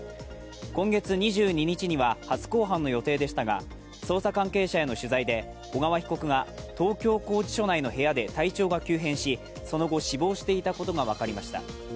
今月２２日には初公判の予定でしたが捜査関係者への取材で、小川被告が東京拘置所内の部屋で体調が急変し、その後死亡していたことが分かりました。